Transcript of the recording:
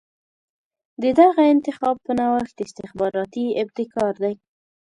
د دغه انتخاب په نوښت استخباراتي ابتکار دی.